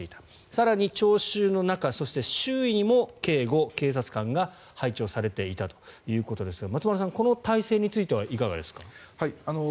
更に聴衆の中そして周囲にも警護、警察官が配置されていたということですが松丸さん、この態勢についてはいかがですか？